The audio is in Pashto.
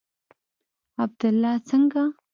عبدالله څنگه.